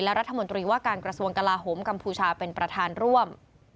และรัฐมนตรีว่าการกระทรวงกลาโหมกัมพูชาเป็นประธานร่วม